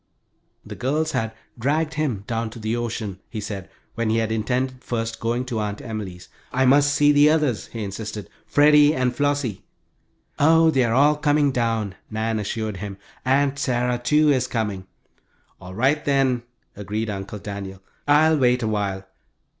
The girls had "dragged him" down to the ocean, he said, when he had intended first going to Aunt Emily's. "I must see the others," he insisted; "Freddie and Flossie." "Oh, they are all coming down," Nan assured him. "Aunt Sarah, too, is coming." "All right, then," agreed Uncle Daniel. "I'll wait awhile.